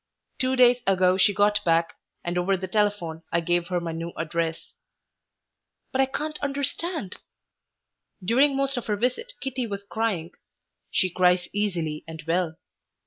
Two days ago she got back, and over the telephone I gave her my new address. "But I can't understand " During most of her visit Kitty was crying. She cries easily and well.